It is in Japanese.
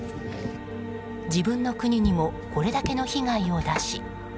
自分の国にもこれだけの被害を出し